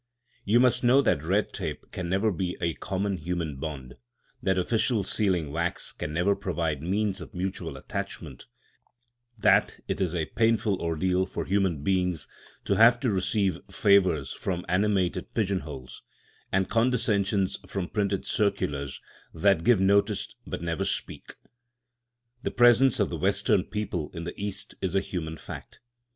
You must know that red tape can never be a common human bond; that official sealing wax can never provide means of mutual attachment; that it is a painful ordeal for human beings to have to receive favours from animated pigeonholes, and condescensions from printed circulars that give notice but never speak. The presence of the Western people in the East is a human fact.